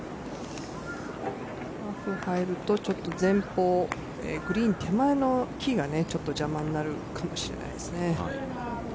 ラフに入ると前方、グリーン手前の木がちょっと邪魔になるかもしれないですね。